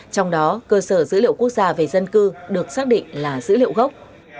trong đó cơ sở dữ liệu quốc gia về dân cư được xác định là dữ liệu gốc